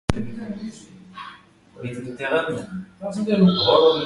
After recovering from his wounds, Glass set out again to find Fitzgerald and Bridger.